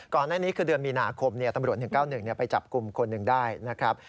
ก่อนหน้านี้คือเดือนมีนาคมตำรวจ๑๙๑ไปจับกลุ่มคนหนึ่งได้นะครับ